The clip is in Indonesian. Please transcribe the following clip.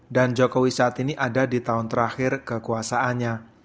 jokowi saat ini ada di tahun terakhir kekuasaannya